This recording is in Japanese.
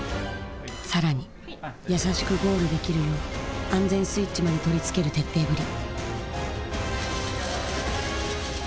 更に優しくゴールできるよう安全スイッチまで取りつける徹底ぶり。